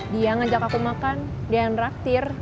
dia ngajak aku makan dia yang raktir